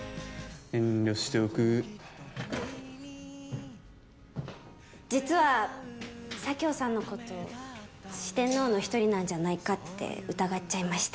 遠慮しておく実は佐京さんのこと四天王の一人なんじゃないかって疑っちゃいました